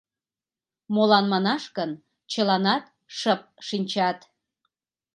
Молан манаш гын чыланат шып шинчат.